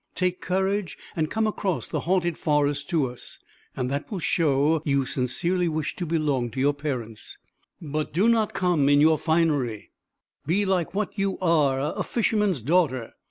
Take courage and come across the haunted forest to us; that will show that you sincerely wish to belong to your parents. But do not come in your finery; be like what you are, a fisherman's daughter.'